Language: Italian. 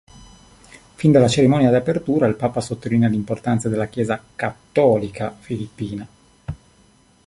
Fin dalla cerimonia di apertura il papa sottolinea l'importanza della Chiesa cattolica filippina.